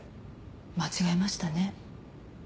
間違えましたね。